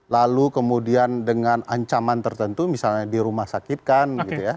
lalu kemudian dengan ancaman tertentu misalnya di rumah sakitkan